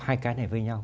hai cái này với nhau